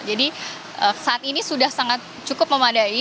jadi saat ini sudah sangat cukup memadai